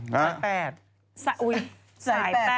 สายแพทย์